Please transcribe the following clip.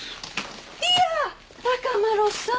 いやあ！孝麿さん。